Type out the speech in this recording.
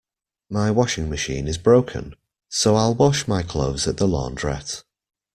My washing machine is broken, so I'll wash my clothes at the launderette